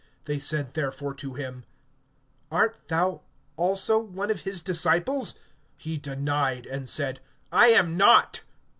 They said therefore to him: Art thou also one of his disciples? He denied, and said: I am not.